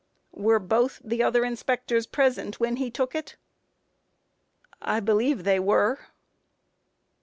Q. Were both the other inspectors present when he took it? A. I believe they were.